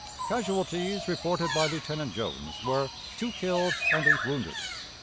Casualties, reported by Lieutenant Jones, were two killed and eight wounded.